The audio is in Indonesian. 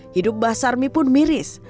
hidup mbah sarmi pun miris